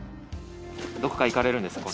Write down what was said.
どこか行かれるんですか？